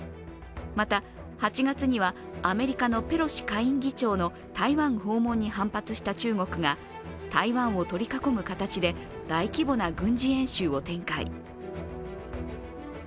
また８月には、アメリカのペロシ下院議長の台湾訪問に反発した中国が台湾を取り囲む形で大規模な軍事演習を展開。